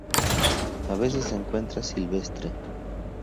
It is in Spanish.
A veces se encuentra silvestre.